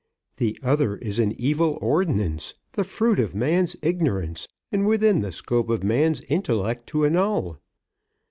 The other is an evil ordinance, the fruit of man's ignorance and within the scope of man's intellect to annul."